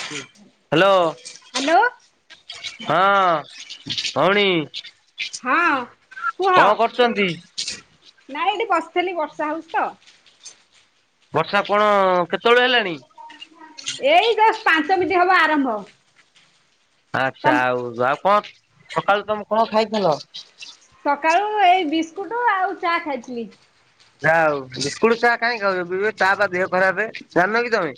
Hello. ହଁ ଭଉଣୀ। ହଁ କୁହ କଣ କରୁଛନ୍ତି? ନାଇ ଏଇଠି ବସିଥିଲି ବର୍ଷା ହଉଛି ତ। ବର୍ଷା କଣ କେତେବେଳୁ ହେଲାଣି? ଏଇ ଦଶ ପାଞ୍ଚ ମିନିଟ ହବ ଆରମ୍ଭ। ଆଚ୍ଛା ଆଉ ଆଉ କଣ ସକାଳୁ ତମେ କଣ ଖାଇଥିଲ। ସକାଳୁ ଏଇ ବିସ୍କୁଟ ଆଉ ଚା ଖାଇଥିଲି। ଯା ହଉ ବିସ୍କୁଟ ଚା କାଇଁ ଖାଉଛ ଚା ପା ଦେହ ଖରାପେ ଜାଣିନ କି ତମେ?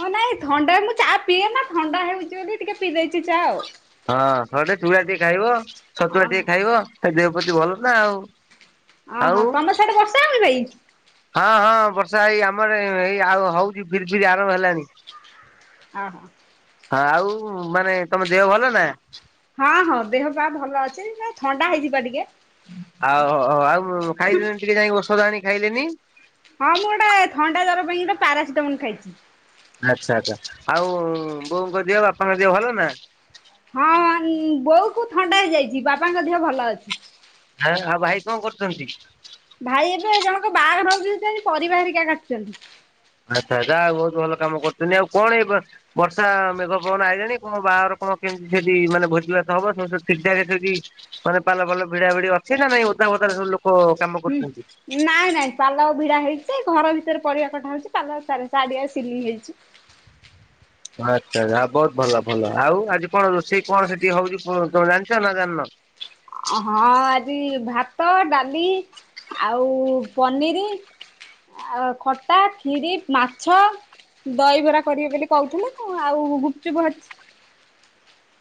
ହଁ ନାଇଁ ଥଣ୍ଡା ମୁଁ ଚା ପିଏ ନା ଥଣ୍ଡା ହେଉଛି ବୋଲି ଟିକେ ପିଇ ଦେଇଛି ଚା ଆଉ। ହଁ ଥଣ୍ଡାରେ ଚୁଡା ଟିକେ ଖାଇବ ଛତୁଆ ଓହୋ ଟିକେ ଖାଇବ ସେ ଦେହ ପ୍ରତି ଭଲ ନା ଆଉ। ଆଉ ଓହୋ ତମର ସେଠେ ବର୍ଷା ହେଉନି ଭାଇ? ହଁ ହଁ ବର୍ଷା ଏଇ ଆମର ଏଇ ଆଉ ହଉଛି ଫିରି ଫିରି ଆରମ୍ଭ ହେଲାଣି। ଓହୋ। ହଁ ଆଉ ମାନେ ତମ ଦେହ ଭଲ ନା? ହଁ ହଁ ଦେହ ବା ଭଲ ଅଛି ନା ଥଣ୍ଡା ହେଇଛିବା ଟିକେ। ଆଉ ଆଉ ଖାଇଦେଲେନି ଟିକେ ଯାଇକି ଔଷଧ ଆଣି ଖାଇଲେନି। ହଁ ମୁଁ ଗୋଟେ ଥଣ୍ଡା ଜ୍ୱର ପାଇଁ ଗୋଟେ ପାରାସିଟାମୋଲ ଖାଇଛି। ଆଚ୍ଛା ଆଚ୍ଛା ଆଉ ବୋଉଙ୍କ ଦିହ ବାପାଙ୍କ ଦିହ ଭଲ ନା? ହଁ ବୋଉ କୁ ଥଣ୍ଡା ହେଇଯାଇଛି ବାପାଙ୍କ ଦେହ ଭଲ ଅଛି। ହଁ ଆଉ ଭାଇ କଣ କରୁଛନ୍ତି? ଭାଇ ଏବେ ଏ ଜଣଙ୍କ ବାହାଘର ହଉଛି ସେଥିପାଇଁ ପରିବା ହେରିକା କାଟୁଛନ୍ତି। ଆଚ୍ଛା ଯାଉ ବହୁତ ଭଲ କାମ କରୁଛନ୍ତି ଆଉ କଣ ହେଇ ବର୍ଷା ମେଘ ପବନ ଆଇଲାଣି କଣ ବାହାଘର କଣ କେମିତି ସେଠି ମାନେ ଭୋଜିଭାତ ହବ [inaudible] ସେଠି। ମାନେ ପାଲ ଫାଲ ଭିଡା ଭିଡି ଅଛି ନା ନାଇଁ ଓଦା ଫଦାରେ ସବୁ ଲୋକ। କାମ ହୁଁ, କରୁଛନ୍ତି? ନାଇଁ ନାଇଁ। ପାଲ ଭିଡ଼ା ହେଇଛି, ଘର ଭିତରେ ପରିବା କଟା ହେଉଛି, ପାଲ ଚାରିଆଡ଼େ ସିଲିଂ ହେଇଛି। ଆଚ୍ଛା ଆଚ୍ଛା ବହୁତ୍‌ ଭଲ ଭଲ ଆଉ ଆଜି କଣ ରୋଷେଇ କଣ ସେଠି ହଉଛି ତମେ ଜାଣିଛ ନା ଜାଣିନ? ହଁ ଆଜି ଭାତ ଡାଲି। ଆଉ ପନିରି, ଆଉ ଖଟା, ଖିରି ମାଛ। ଦହିବରା କରିବେ ବୋଲି କହୁଥିଲେ ତ ଆଉ ଗୁପଚୁପ ଅଛି।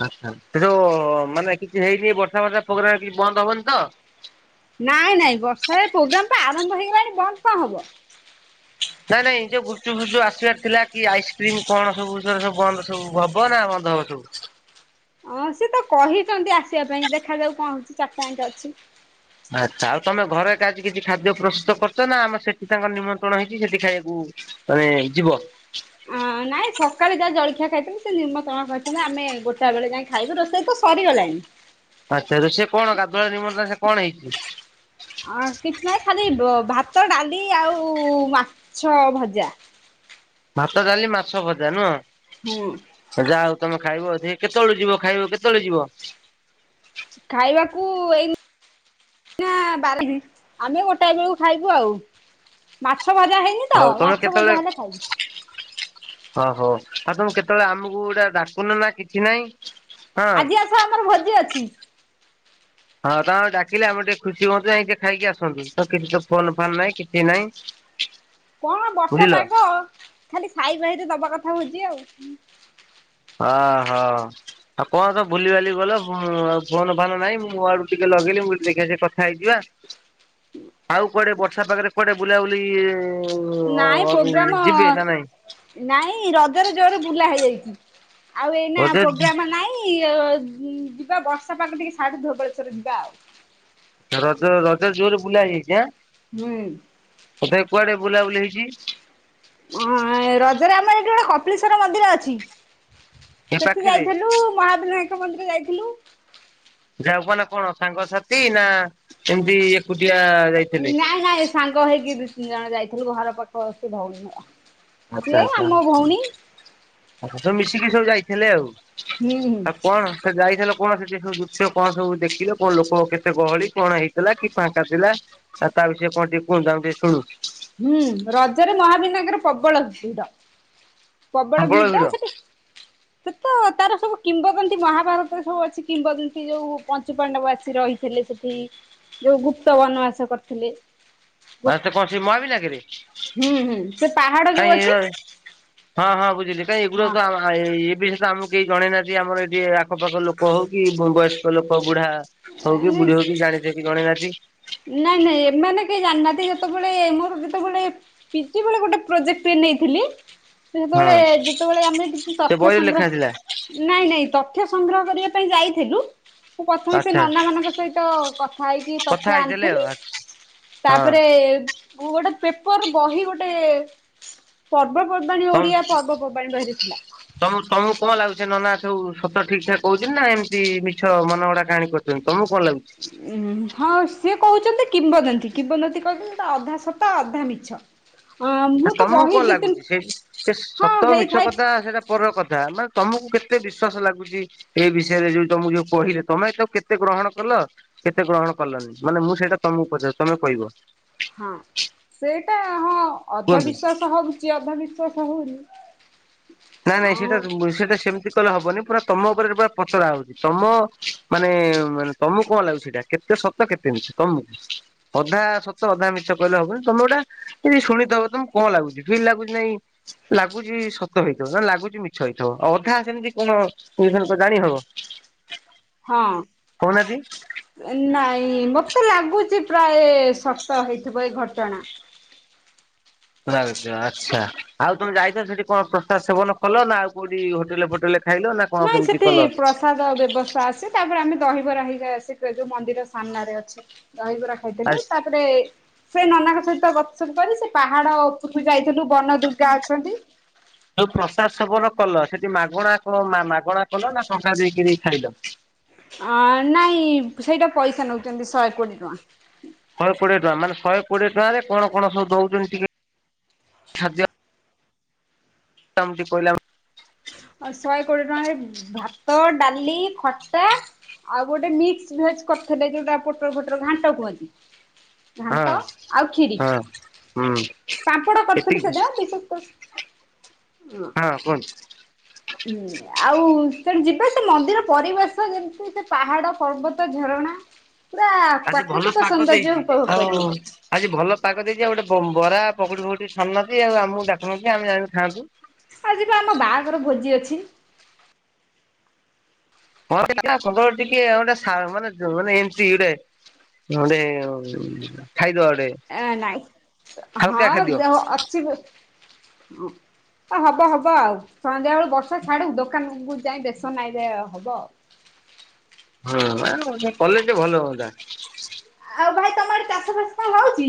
ଆଚ୍ଛା ସେ ଯୋଉ, ମାନେ କିଛି ହେଇନି ବର୍ଷା ଫର୍ଷା ପ୍ରୋଗ୍ରାମ କିଛି ବନ୍ଦ ହବନି ତ। ନାଇଁ ନାଇଁ ବର୍ଷାରେ ପ୍ରୋଗ୍ରାମ ପା ଆରମ୍ଭ ହେଇଗଲାଣି ବନ୍ଦ କଣ ହବ। ନାଇଁ ନାଇଁ ଯୋଉ ଗୁପଚୁପ୍ ଫୁପଚୁପ ଆସିବାର ଥିଲା କି ଆଇସ୍କ୍ରିମ କଣ ସବୁ ସବୁ ବନ୍ଦ ସବୁ। ହବ ନା ବନ୍ଦ ହବ ସବୁ? ହଁ ସେ ତ କହିଛନ୍ତି ଆସିବା ପାଇଁ ଦେଖାଯାଉ କଣ ହଉଛି ଚାରିଟା ଆଙ୍କେ ଅଛି। ଆଚ୍ଛା ଆଉ ତମ ଘରେ ଆଜି କିଛି ଖାଦ୍ୟ ପ୍ରସ୍ତୁତ କରିଛ ନା ଆମର ସେଠି ତାଙ୍କର ନିମନ୍ତ୍ରଣ ହେଇଛି ସେଠି ଖାଇବାକୁ ମାନେ ଯିବ। ହଁ, ନାଇଁ ସକାଳେ ଯାହା ଜଳଖିଆ ଖାଇଥଥିଲୁ ସେ ନିମନ୍ତ୍ରଶ କରିଛନ୍ତି ଆମେ ଗୋଟା ବେଳେ ଯାଇ ଖାଇବୁ ରୋଷେଇ ତ ସରିଗଲାଣି। ଆଚ୍ଛା ରୋଷେଇ କଣ ଗାଧୁଆଳେ ନିମନ୍ତ୍ରଣ ସେ କଣ ହେଇଛି। ଆଉ କିଛି ନାହିଁ ଖାଲି ଭାତ ଡାଲି ଆଉ ମାଛ ଭଜା। ଭାତ, ଡାଲି, ମାଛ ଭଜା ନୁହଁ? ହୁଁ! ସେ ଯାହା ହଉ ତମେ ଖାଇବ ସେ କେତେବେଳେ ଯିବ ଖାଇବ କେତେବେଳେ ଯିବ? ଖାଇବାକୁ ଏଇନ୍ ନା ବାରେ ଗ୍ରି ଆମେ ଗୋଟାଏ ବେଳକୁ ଖାଇବୁ ଆଉ। ମାଛ ଭଜା ହେଇନି ତ ହଉ ମାଛ ଭଜା ହେଲେ ଖାଇବୁ। ଓହୋ ଆଉ ତମକୁ କେତେବେଳେ ଆମକୁ ଗୋଟେ ଡାକୁନ ନା କିଛି ନାଇଁ। ଆଜି ଆସ ଆମର ଭୋଜି ଅଛି। ହଁ ତମେ ଡାକିଲେ ଆମେ ଟିକେ ଖୁସି ହୁଅନ୍ତୁ ଯାଇଁ ଖାଇକି ଆସନ୍ତୁ ତ କିଛି ତ ଫୋନ ଫାନ୍ ନାହିଁ କିଛି ନାଇଁ। [inaudible] କଣ ବର୍ଷା ପାଗ ଖାଲି ସାଇ ଭାଇରେ ଦବା କଥା ଭୋଜି ଆଉ। ଅ ହ। ଆଉ କଣ ତ ଭୁଲିିଭାଲି ଗଲ ଆଉ ଫୋନ୍‌ ଫାନ୍‌ ନାହିଁ ମୁଁ ମୋ ଆଡୁ ଟିକେ ଲଗେଇଲି ମୁଁ କହିଲି ଦେଖି ଟିକେ କଥା ହେଇଯିବା। ଆଉ କୁଆଡେ ବର୍ଷା ପାଗରେ କୁଆଡେ ବୁଲାବୁଲି ନାଇଁ [unintelligible] ଯିବେ ପ୍ରୋଗ୍ରାମ ନା ନାଇଁ? ନାଇଁ, ରଜରେ ଜୋରେ ବୁଲା ହେଇଯାଇଚି ଆଉ ଏଇନା ରଜ ପ୍ରୋଗ୍ରାମ ନାଇଁ। ନାଇଁ ଯିବା ବର୍ଷା ପାଗ ଟିକେ ଛାଡ଼ୁ ଧବଳେଶ୍ୱରରେ ଯିବା ଆଉ। ରଜ ରଜ ଜୋରେ ବୁଲା ହେଇଯାଇଚି ଆଁ। ହୁଁ! ତଥାପି କୁଆଡେ ବୁଲାବୁଲି ହେଇଚି? ହଁ ଏଁ ରଜରେ ଆମର ଏଠି ଗୋଟେ କପିଳେଶ୍ଵର ମନ୍ଦିର ଅଛି। ଏ ସେଠି ପାଖରେ? ଯାଇଥିଲୁ ମହାବିନାୟକ ମନ୍ଦିର ଯାଇଥିଲୁ। ଯାଉ କ ନା କଣ ସାଙ୍ଗସାଥି ନା ଏମିତି ଏକୁଟିଆ ଯାଇଥିଲେ? ନାଇଁ ନାଇଁ ସାଙ୍ଗ ହେଇକି ଦିଇ ତିନି ଜଣ ଯାଇଥିଲୁ ଘର ପାଖ ସେ ଭଉଣୀ ଘର। ସିଏ ଆମ ଭଉଣୀ। ଆ ତ ମିଶିକି ସବୁ ଯାଇଥିଲେ ଆଉ। ହୁଁ ହୁଁ ଆଉ କଣ ସେ ଯାଇଥିଲ କଣ ସେ ସବୁ ଦୃଶ୍ୟ କଣ ସବୁ ଦେଖିଲ କଣ ଲୋକ କେତେ ଗହଳି କଣ ହେଇ ଥିଲା କି ଫାଙ୍କା ଥିଲା ଆଉ ତା ବିଷୟ କଣ ଟିକେ କୁହନ୍ତୁ ଆମ ଟିକେ ଶୁଣୁ। ହୁଁ! ରଜରେ ମହାବିନାୟକରେ ପ୍ରବଳ ଭିଡ। ପ୍ରବଳ ଭିଡ ସେଟି। ସେ ତ ତାର ସବୁ କିମ୍ବଦନ୍ତୀ ମହାଭାରତରେ ସବୁ ଅଛି କିମ୍ବଦନ୍ତୀ ଯୋଉ ପଞ୍ଚୁ ପାଣ୍ଡବ ଆସି ରହି ଥିଲେ ସେଠି, ଯୋଉ ଗୁପ୍ତ ବନବାସ କରିଥିଲେ। ଆଉ ଗୋଟ୍ ସେ କଣ ସେ ମହାବିନାୟକରେ ହୁଁ ହୁଁ ସେ ପାହାଡ କାଇଁ ଯୋଉ ଅଛି। ହଁ ହଁ ବୁଝିଲି କାହିଁ ଏଗୁରା ହଁ ତ ଆଁ ଆ ଏଇ ଏଇ ବିଷୟ ତ ଆମକୁ କେହି ଜଣେଇ ନାହାନ୍ତି ଆମର ଏଇଠି ଆଖପାଖ ଲୋକ ହଉ କି ମୁଁ ବୟସ୍ କ ଲୋକ ବୁଢା ହଉ କି ବୁଢୀ ହଉ କି ଜାଣିଥ କି ଜଣେଇ ନାହାନ୍ତି। ନାଇଁ ନାଇଁ ଏମାନେ କେହି ଜାଣିନାହାନ୍ତି ଯେତେବେଳେ ମୋର ଯେତେବେଳେ ପିଛି ବଳେ ଗୋଟେ ପ୍ରୋଜେକ୍ଟ ନେଇଥିଲି। ସେତେବେଳେ ହଁ ଯେତେବେଳେ ଆମେ କିଛି ସେ ତଥ୍ୟ ବହିରେ ଲେଖା ସଂଗ୍ର ଥିଲା ନାଇଁ ନାଇଁ ତଥ୍ୟ ସଂଗ୍ରହ କରିବା ପାଇଁ ଯାଇଥିଲୁ। ମୁଁ ପ୍ରଥମେ ସେ ଆଚ୍ଛା ନନା ମାନଙ୍କ ସହିତ କଥା ହେଇକି କଥା ତଥ୍ୟ ହେଇଥିଲେ ଆଣିଥିଲି। ଆଉ ହଁ ତାପରେ [unintelligible] ମୁଁ ଗୋଟେ ପେପର ବହି ଗୋଟେ ପର୍ବପର୍ବାଣିୀ ଓଡିଆ ପର୍ବପର୍ବାଣିୀ ବହିରେ ଥିଲା। ତମୁ ତମକୁ କଣ ଲାଗୁଛେ ନ ନା ସଉ ସତ ଠିକ୍ ଠାକ୍ କହୁଛି ନା ଏମ୍ତି ମିଛ ମନ ଗଡା କାହାଣୀ କର୍ ଚନ୍ତି ତମକୁ କଁ ଲାଗୁ ଉ ହଁ ସେଏ କହୁଛନ୍ତି କିମ୍ବଦନ୍ତୀ କିମ୍ବଦନ୍ତୀ କହୁଛନ୍ତି ଅଧା ସତା ଅଧା ମିଛ। ଅ ମୁଁ ତ ତମକୁ ବହି କଣ ଦି ତିନି ଲାଗୁଛି ସେ ସେ ହଁ ସତ ମିଛ ହେଇଥାଏ କଥା ସେଇଟା ପ କଥା ମାନେ ତମକୁ କେତେ ବିଶ୍ଵାସ ଲାଗୁଛି ଏଇ ବିଷୟରେ ଯୋଉ ତମକୁ ଯୋଉ କହିଲେ ତମେ ଏଟକୁ କେତେ ଗ୍ରହଣ କଲ କେତେ ଗ୍ରହଣ କଲନି ମାନେ ମୁଁ ସେଇଟା ତମକୁ ପଚ ତମେ କହିବ? ହଁ ସେଇଟା ହଁ ଅଧ କୁହନ୍ତୁ? ବିିଶ୍ଵାସ ହଉଛି ଅଧବିଶ୍ଵାସ ହଉନି ନାଇଁ ଅ ନାଇଁ ସେଟା ସେଟା ସେମିତି ହବନି ପୁରା ତମ ଉପରେ ପୁରା ପଚରା ହଉଛି ତମ ମାନେ ତମକୁ କଣ ଲାଗୁଛି ସେଇଟା କେତେ ସତ କେତେ ମିଛ ତମକୁ ଅଧା ସତ ଅଧା ମିଛ କହିଲେ ହବନି ତମେ ଗୋଟା ଶୁଣିଥବ ତମକୁ କଣ ଲାଗୁଛି ଫିଲ୍ ଲାଗୁଛି ନାଇଁ ଲାଗୁଛିତ ହେଇଥିବ ନା ଲାଗୁଚଛି ମିଛ ହେଇଥିବ ଅଧା ସେମିତି କଣ ଜାଣି ହବ? ହଁ। କହୁନାହାନ୍ତି? ନାଇଁ ମତେ ଲାଗୁଚ ପ୍ରାୟ ସତ ହେଇଥିବ ଏ ଘଟଣା। ଆଚ୍ଛା ଆଉ ତମେ ଯାଇଛ ସେଠି କଣ ପ୍ରସାର ସେବନ କଲ ନା ଆଉ କୋଉଠି ହୋଟେଲ ଖାଇଲ ନା କଣ ନାଇଁ କେମିତି ସେଠି କଲ? ପ୍ରସାଦ ବ୍ୟବସ୍ଥା ଆସି ତାପରେ ଆମେ ଦହିବରା ହେଇ ଯୋଉ ମନ୍ଦିର ସାମ୍ନାରେ ଅଛି ଦହିବରା ଖାଇଥିଲୁ ଆସ୍ ତା ଆରେ ସେ ନନାଙ୍କ ସହିତ ଗନ କରି ସେ ପାହାଡ ଉପରକୁ ଯାଇଥିଲୁ ବନ ଦୁର୍ଗା ଅଛନ୍ତି। ଯୋଉ ପ୍ରସାଦ ସେବନ କଲ ସେଠି ମାଗଣା କ ମାଗଣା କଲ ନା ଟଙ୍କା ଦେଇକିରି ଖାଇଲ? ଅ ନାଇଁ ସେଇଟା ପଇସା ନେଉଛନ୍ତି ଶହେ କୋଡି ଟଙ୍କା। ଶହେ କୋଡ଼ିଏ ଟଙ୍କା ମାନେ ଶହେ କୋଏ ଟଙ୍କାରେ କଣ କଣ ସବୁ ଦଉଛନ୍ତି ଟିକେ ଖାଦ୍ୟ ଟିକେ କହିଲ? ଶହେ କୋଡିଏ ଟଙ୍କା ଭାତ ଡାଲି ଖଟା ଆଉ ଗୋଟେ ମିକ୍ସ ଭେଜ କରିଥିଲେ ଯୋଉଟା ପୋଟର ଫଟର ଘାଣ୍ଟ କୁହନ୍ତି ହଁ ଘାଣ୍ଟ ଆଉ ଖିରି ହଁ ହୁଁ ସାମ୍ପଡା କରିଥିଲୁ ଏତିକି ସେଦିନ ବିଶେଷ କରି ହ ହଁ କୁହୁ ହୁଁ। ଆଉ ତଣ ଯିବେ ସେ ମନ୍ଦିର ପରିବେଶ ଯେମତି ସେ ପାହାଡ ପର୍ବତ ଝରଣା ପୁରା ଆଜି ପ୍ରାକୃତିକ ସୌନ୍ଦର୍ଯ୍ୟ ଉପଭୋଗ କରିବେ। ଆଉଜି ଭଲ ପାଗ ଦେଇଛି ଆଉ ଗୋଟେ ବରା ପକଡି ଫକୁଡି ସରି ନହା ଆଉମକୁ ଡାକୁୁନହା ଆମେ ଯାନ୍ତୁ ଖାନ୍ତୁ। ଆଜି ବି ଆମ ବାହାଘର ଭୋଜି ଅଛି? ହଁ ଟିକେ ଗୋଟେ ମାନେ ମାନେ ଏମ ଗୋଟେ ଗୋଟେ ଖାଇଦବା ଗୋଟେ ଏ ନାଇଁ ହାଲକା ହଁ ଖାଦ୍ୟ। ଦେ ଅଛି ବି ହବ ହବ ଆଉ ସନ୍ଧ୍ୟାବେଳ ବର୍ଷା ଛାଡ଼ୁ ଦୋକାନକୁ ଯାଇ ବେଶ ନାଇ ହବ ଆଉ। ହଁ ଆଁ କଲେ ଟିକେ ଭଲ ହୁଅନ୍ତା? ଆଉ ଭାଇ ତମ ଆଡେ ଚାଷ ବାସ କଣ ହଉଛି?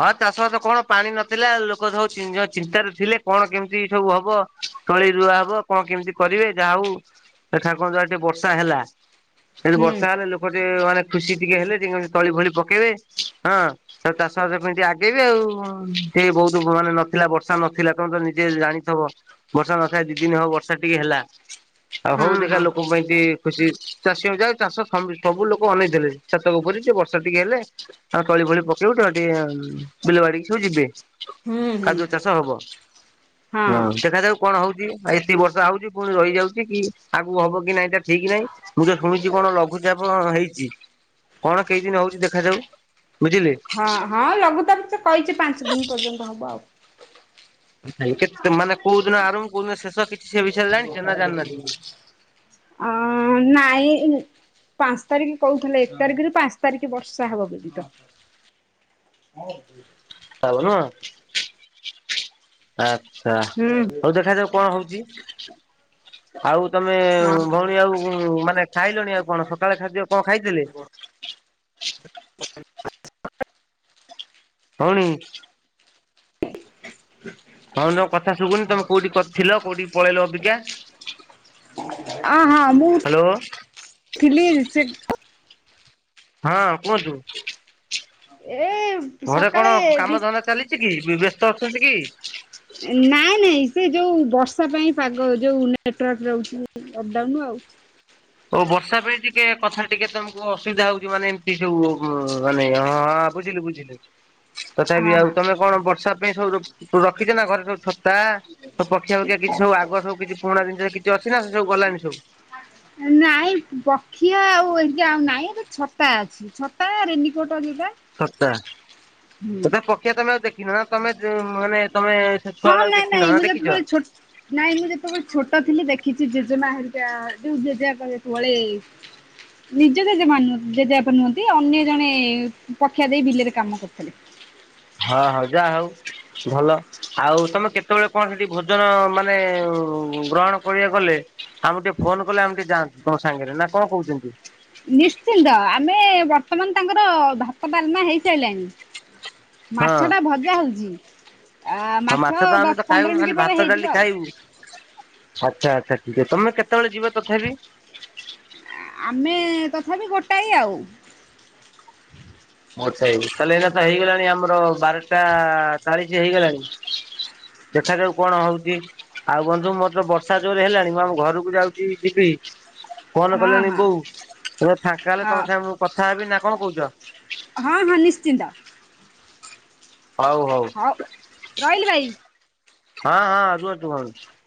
ହଁ ଚାଷବାସ କଣ ପାଣି ନଥିଲା ଲୋକ ସବୁ ଚିନ୍ତାରେ ଥିଲେ କଣ କେମିତି ସବୁ ହବ ତଳି ରୁଆ ହବ କଣ କେମିତି କରିବେ ଯାହା ହଉ ଠାକୁର ଦୟା ରୁ ଟିକେ ବର୍ଷା ହେଲା ସେ ଜୁ ହୁଁ ବର୍ଷା ହେଲେ ଲୋକ ଗେ ମାନେ ଖୁସି ଟିକେ ହେଲେ ଟିକେ ତଳି ଭଳି ପକେଇବେ ହଁ ଚାଷ ପାସ୍ ପାଇଁ ଟିକେ ଆଗେଇବେ ଆଉ ସେ ବହୁତ ମାନେ ନଥିଲା ବର୍ଷା ନଥିଲା ତଣ ତ ନିଜେ ଜାଣିଥବ ବର୍ଷା ନଥାଏ ଦି ଦିନି ହୱ ବର୍ଷା ଟିକେ ହେଲା ଆଉ ହଉ ହଁ ଦେଖା ହଁ ଲୋକଙ୍କ ପାଇଁ କି ଖୁସି ଚାଷୀ ହଉଯାଉ ଚାଷ ସବୁ ସବୁ ଲୋକ ଅନେଇଥିଲେ ଛାତକ ପରି କି ବର୍ଷା ଟିକେ ହେଲେ ଆଉ ତଳି ଫଳି ପକେଇବୁ ତ ଟିକେ ବିଲ ବାଡିକୁ ଯିବେ। ହୁଁ ହୁଁ କାଜୁ ଚାଷ ହବ ହଁ ଦେଖାଯାଉ କଣ ହଉଚି ଏତିକି ବର୍ଷା ହଉଚି ପୁଣି ରହିଯାଉଚଗ କି ଆଗକୁ ହବ କି ନାଇଁ ତା ଠିକ ନାହିଁ। ମୁଁ ତ ଶୁଣିଚି କଣ ଲଘୁଚାପ ହେଇଚି କଣ କେଇ ଦିନି ହଉଚି ଦେଖାଯାଉ। ବୁଝିଲେ ହଁ ହଁ ଲଘୁତାପ କହିଚି ପାଞ୍ଚ ଦିନି ପର୍ଯ୍ୟନ୍ତ ହବ ଆଉ। ଆଇଁ କେତ ମାନେ କୋଉ ଦିନ ଆରମ୍ଭ କୋଉ ଦିନ ଶେଷ କିଛି ସେ ବିଷୟରେ ଜାଣିଛ ନା ଜାଣିନି ନାହାଁନ୍ତି? ଅ ନାଇଁ ପାଞ୍ଚ ତାରିଖ କହୁଥିଲେ ଏକ ତାରିଖରୁ ପାଞ୍ଚ ତାରିଖ ବର୍ଷା ହବ ବେଲି ଦ। [inaudible] [unintelligible] ଆଚ୍ଛା ହୁଁ ହଉ ଦେଖାଯାଉ କଣ ହଉଚି। ଆଉ ତମେ ହଁ ଭଉଣୀ ଆଉ ମାନେ ଖାଇଲଣି ଆଉ କଣ ସକାଳେ ଖାଦ୍ୟ କଁ ଖାଇଥିଲେ? [inaudible] ଭଉଣୀ ଭଉଣୀର କଥା ଶୁଭୁନି ତମେ କୋଉଠି ଥିଲ କୋଉଠିକି ପଳେଇଲ ଅବିକା? ଅଁ ହଁ ମୁଁ ହ୍ୟାଲୋ ଥିଲି ସେ ହଁ କୁହନ୍ତୁ। ଏ ଘରେ କଣ ସକାଳେ ବି କାମ ଧନ୍ଦା ଚାଲିଚି କି ବ୍ୟସ୍ତ ଅଛନ୍ତି କି? ନାଇଁ ନାଇଁ ସେ ଯୋ ବର୍ଷା ପାଇଁ ପାଗ ଯୋଉ ନେଟୱାର୍କ ରହୁଚି। ଅପଡାଉନୁ ଆଉ। ଓ ବର୍ଷା ପାଇଁ ଟିକେ କଥା ଟିକେ ତମକୁ ଅସୁବିଧା ହଉଚି ମାନେ ଏମିତି ଯଉ ସବୁ ମାନେ ହଁ ବୁଝିଲୁ ବୁଝିଲି। ତଥାପି ଆଉ ହଁ ତମେ କଣ ବର୍ଷା ପାଇଁ ସବୁ ରଖି ରଖିଚ ନା ଘରେ ସବୁ ଛତା ତ ପକ୍ଷିଆ ଫକ୍ଷୀୟା କିଛି ସବୁ ଆଗୁଆ ସବୁ କିଛି ପୁରୁଣା ଜିନିଷ କିଛି ଅଛିନା ସେ ସବୁ ଗଲାନି ସବୁ? ନାଇଁ ବଖିଆ ଆଉ ଏମିତି ଆଉ ନାଇଁ ଏବେ ଛତା ଅଛି। ଛତା ରେନିକୋଟ ହେରିକା। ସତା ତମେ ପକିଆ ତମେ ଆଉ ଦେଖିନ ନା ତମେ ମାନେ ତମେ ସେ ହଁ ଛୁଆଳୁ ନାଇଁ ଦେଖିନ ନାଇଁ ମୁଁ ନା ଦେଖିଚ? ଯେତେବେଳେ ଛୋଟ ନାଇଁ ମୁଁ ଯେତବେଳେ ଛୋଟ ଥିଲି ଦେଖିଚି ଜେଜେମା ହେରିକା ଯୋ ଜେଜେବାବା ଯେତେବେଳେ ନିଜ ଜେଜେମା ନୁହଁ ଜେଜେବାବା ନୁହଁନ୍ତି ଅନ୍ୟ ଜଣେ ପକ୍ଷିଆ ଦେଇ ବିଲରେ କାମ କରୁଥିଲେ। ହଁ ହଁ ଯାହା ହଉ ଭଲ ଆଉ ତମେ କେତବେଳେ କଣ ସେଠି ଭୋଜନ ମାନେ ଗ୍ରହଣ କରିବାକୁ ଗଲେ ଆମକୁ ଟିକେ ଫୋନ କଲେ ଆମେ ଟିକେ ଯାଆନ୍ତୁ ତମ ସାଙ୍ଗରେ ନା କଣ କହୁଛନ୍ତି? ନିଶ୍ଚିନ୍ତ ଆମେ ବର୍ତ୍ତମାନ ତାଙ୍କର ଭାତ ଡଲମା ହେଇସାଇଲାଣି ହଁ ମାଛ ଟା ଭଜା ହେଇଚି। ହଉ ମାଛ ତ ଆମେ ତ ଖାଇବୁନି ଖାଲି ଭାତ ହେଇଯିବ ଡାଲି ଆଉ ଖାଇବୁ। ଆଚ୍ଛା ଆଚ୍ଛା ଠିକ୍ ତମେ କେତବେଳେ ଯିବ ତଥାପି? ଆମେ ତଥାପି ଗୋଟାଏ ଆଉ। ମୋର ସେଇ ତାହେଲେ ଏଇନା ତ ହେଇଗଲାଣି ଆମର ବାରଟା ଚାଳିଶି ହେଇଗଲାଣି। ସେଠାରେ ସବୁ କଣ ହଉଚି? ଆଉ ବନ୍ଧୁ ମୋର ତ ବର୍ଷା ଜୋରେ ହେଲାଣି ମୁଁ ଆମ ଘରକୁ ଯାଉଚି ଯିବି‌‌। ଫୋନ ହଁ କଲେଣି ହଁ ବୋଉ ଏବେ ଫାଙ୍କା ହେଲେ ହଁ ତମ ସାଙ୍ଗେ ମୁଁ କଥା ହେବି ନା କଣ କହୁଚ? ହଁ-ହଁ ନିଶ୍ଚିନ୍ତ। ହଉ-ହଉ ହଉ ରହିଲି ଭାଇ। ହଁ-ହଁ ରୁହନ୍ତୁ [unintelligible]